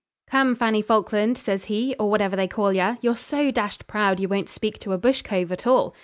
'Come, Fanny Falkland,' says he, 'or whatever they call yer; you're so dashed proud yer won't speak to a bush cove at all.